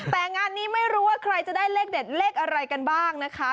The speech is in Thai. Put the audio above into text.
แต่งานนี้ไม่รู้ว่าใครจะได้เลขเด็ดเลขอะไรกันบ้างนะคะ